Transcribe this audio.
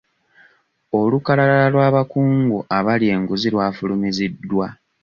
Olukalala lw'abakungu abalya enguzi lwafulumiziddwa.